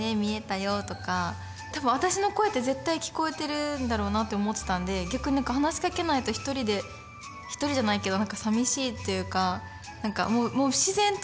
多分私の声って絶対聞こえてるんだろうなって思ってたんで逆に何か話しかけないと一人で一人じゃないけど何かさみしいっていうか何かもう自然とでした。